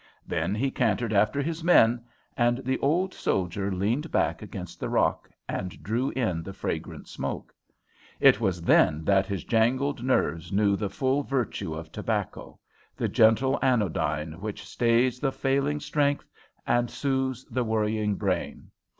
Then he cantered after his men, and the old soldier leaned back against the rock and drew in the fragrant smoke. It was then that his jangled nerves knew the full virtue of tobacco, the gentle anodyne which stays the failing strength and soothes the worrying brain.